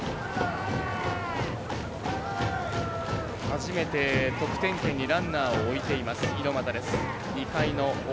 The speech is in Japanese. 初めて得点圏にランナーを置いています、猪俣。